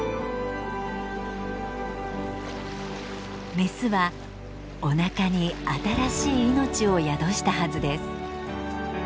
メスはおなかに新しい命を宿したはずです。